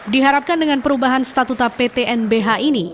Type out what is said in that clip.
diharapkan dengan perubahan statuta pt nhbh ini